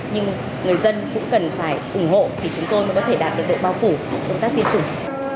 nhưng người dân cũng cần phải ủng hộ để chúng tôi mới có thể đạt được đội bao phủ động tác tiêm chủng